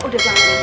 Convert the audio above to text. udah bangun ya